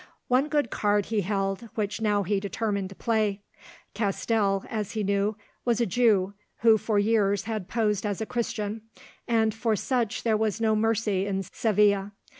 One good card he held, which now he determined to play. Castell, as he knew, was a Jew who for years had posed as a Christian, and for such there was no mercy in Seville.